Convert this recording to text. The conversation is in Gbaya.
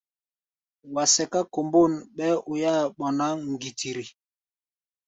Wa sɛká kombôn, ɓɛɛ́ oi-áa ɓɔná ŋgitiri.